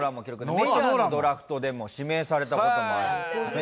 メジャーのドラフトでも、指名されたこともある。